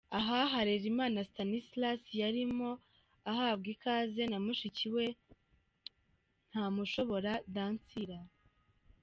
Aha Harerimana Stanislas yarimo ahabwa ikaze na mushiki we Ntamushobora Dansila.